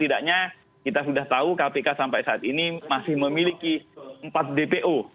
tidaknya kita sudah tahu kpk sampai saat ini masih memiliki empat dpo